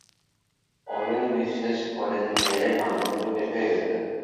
অনিল বিশ্বাস করেন যে মানব যুগ শেষ হয়ে গেছে।